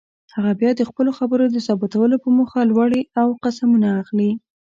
هغه بیا د خپلو خبرو د ثابتولو په موخه لوړې او قسمونه اخلي.